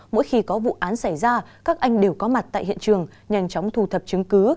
mỗi khi có vụ án xảy ra các anh đều có mặt tại hiện trường nhanh chóng thu thập chứng cứ